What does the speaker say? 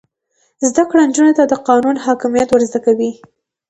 زده کړه نجونو ته د قانون حاکمیت ور زده کوي.